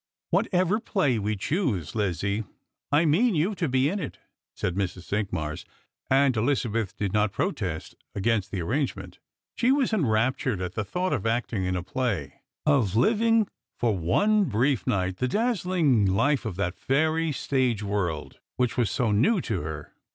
" AVhatever play we choose, Lizzie, I mean you to be in it," said Mrs. Cinqmars, and Elizabeth did not protest against the arrangement. She Avas enraptui ed at the thought of acting in a play — of Uving for one brief night the dazzhug hfe of that fairy stage world which was so new to her.